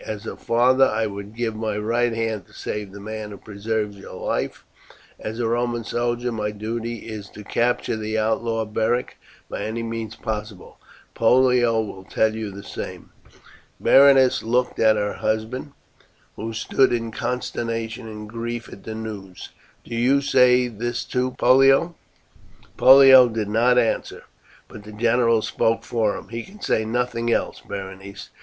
"As a father I would give my right hand to save the man who preserved your life; as a Roman soldier my duty is to capture the outlaw, Beric, by any means possible. Pollio will tell you the same." Berenice looked at her husband, who stood in consternation and grief at the news. "Do you say this too, Pollio?" Pollio did not answer, but the general spoke for him. "He can say nothing else, Berenice.